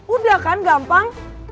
udah kan gampang